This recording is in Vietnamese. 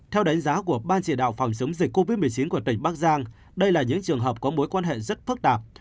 theo đánh giá của ban chỉ đạo phòng chống dịch covid một mươi chín của tỉnh bắc giang đây là những trường hợp có mối quan hệ rất phức tạp